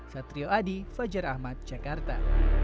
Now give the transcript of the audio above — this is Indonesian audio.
satrio adi fajar ahmad jakarta